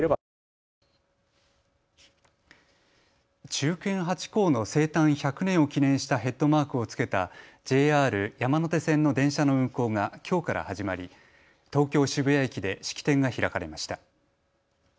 忠犬ハチ公の生誕１００年を記念したヘッドマークを付けたＪＲ山手線の電車の運行がきょうから始まり、東京渋谷駅で式典が開かれました。